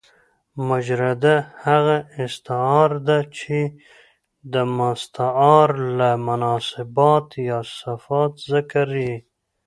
مجرده هغه استعاره ده، چي د مستعارله مناسبات یا صفات ذکر يي.